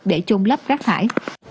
để chung lấp rác thải